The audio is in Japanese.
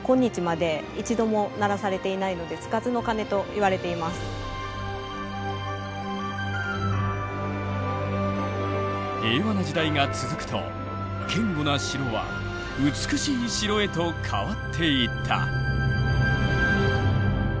城下で今日まで平和な時代が続くと堅固な城は美しい城へと変わっていった。